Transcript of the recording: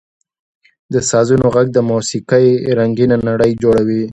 • د سازونو ږغ د موسیقۍ رنګینه نړۍ جوړوي.